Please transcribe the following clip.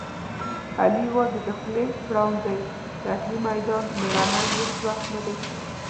علي یووازې د خولې پړانګ دی. د اصلي میدان مېړنی هېڅ وخت ندی شوی.